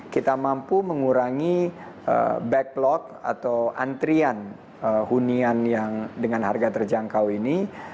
kita mampu mengurangi backlog atau antrian hunian yang dengan harga terjangkau ini